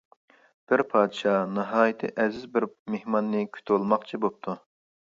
بىر پادىشاھ ناھايىتى ئەزىز بىر مېھماننى كۈتۈۋالماقچى بوپتۇ.